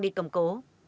đi cầm cố